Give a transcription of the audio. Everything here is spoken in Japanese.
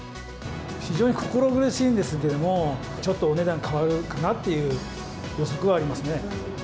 非常に心苦しいんですけれども、ちょっとお値段変わるかなっていう予測はありますね。